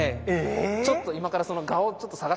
ちょっと今からそのえ？